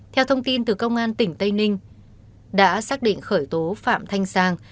theo thông tin từ công an tỉnh tây ninh đã xác định khởi tố phạm thanh sang